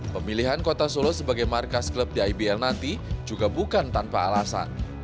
pemilihan kota solo sebagai markas klub di ibl nanti juga bukan tanpa alasan